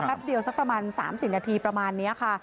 เดียวสักประมาณ๓๐นาทีประมาณนี้ค่ะ